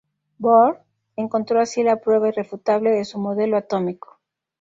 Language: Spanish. Bohr encontró así la prueba irrefutable de su modelo atómico.